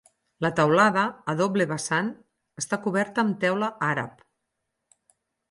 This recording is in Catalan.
La teulada, a doble vessant, està coberta amb teula àrab.